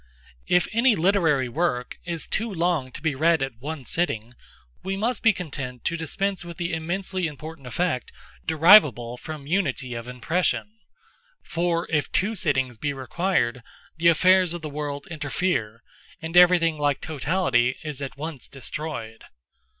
If any literary work is too long to be read at one sitting, we must be content to dispense with the immensely important effect derivable from unity of impression—for, if two sittings be required, the affairs of the world interfere, and everything like totality is at once destroyed.